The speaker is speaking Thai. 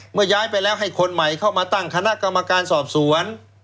ย้ายไปแล้วให้คนใหม่เข้ามาตั้งคณะกรรมการสอบสวน